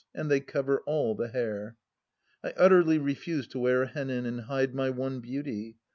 And they cover all the hair. I utterly refuse to wear a hennin and hide my one beauty.